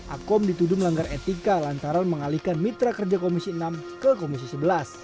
akom dituduh melanggar etika lantaran mengalihkan mitra kerja komisi enam ke komisi sebelas